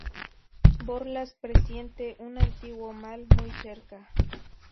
Borlas presiente un antiguo mal muy cerca.